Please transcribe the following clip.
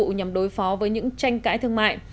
công cụ nhằm đối phó với những tranh cãi thương mại